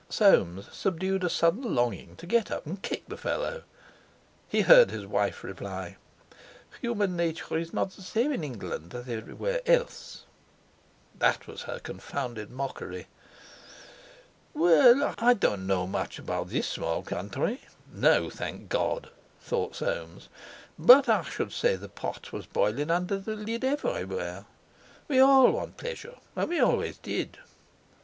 Soames subdued a sudden longing to get up and kick the fellow. He heard his wife reply: "Human nature is not the same in England as anywhere else." That was her confounded mockery! "Well, I don't know much about this small country"—'No, thank God!' thought Soames—"but I should say the pot was boilin' under the lid everywhere. We all want pleasure, and we always did."